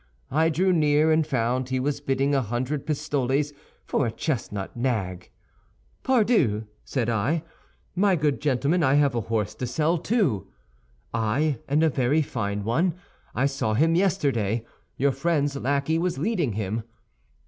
I drew near, and found he was bidding a hundred pistoles for a chestnut nag. 'Pardieu,' said I, 'my good gentleman, I have a horse to sell, too.' 'Ay, and a very fine one! I saw him yesterday; your friend's lackey was leading him.